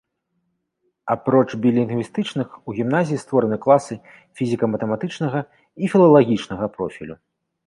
Апроч білінгвістычных, у гімназіі створаны класы фізіка-матэматычнага і філалагічнага профілю.